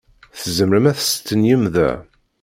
Tzemrem ad testenyim da?